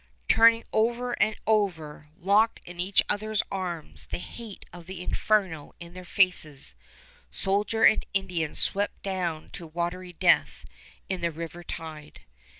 Turning over and over, locked in each other's arms, the hate of the inferno in their faces, soldier and Indian swept down to watery death in the river tide.